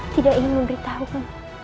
tidak ingin memberitahumu